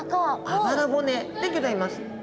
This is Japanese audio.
あばら骨でギョざいます。